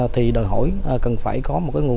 thì đòi hỏi cần phải có một số khó khăn